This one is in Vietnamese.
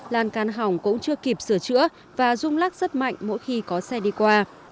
lan can hỏng cũng chưa kịp sửa chữa và rung lắc rất mạnh mỗi khi có xe đi qua